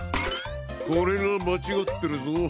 これがまちがってるぞ。